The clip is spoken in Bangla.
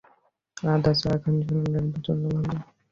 আদা চা খান, শরীরের জন্যে ভালো।